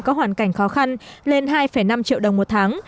có hoàn cảnh khó khăn lên hai năm triệu đồng một tháng